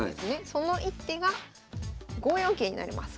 その一手が５四桂になります。